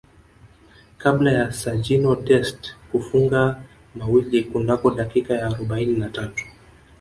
kabla ya Sergino Dest kufunga mawili kunako dakika ya arobaini na tatu